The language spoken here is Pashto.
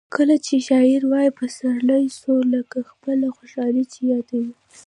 کله چي شاعر وايي پسرلی سو؛ لکه خپله خوشحالي چي یادوي.